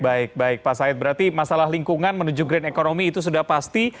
baik baik pak said berarti masalah lingkungan menuju green economy itu sudah pasti